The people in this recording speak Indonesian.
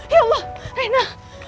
ya allah reina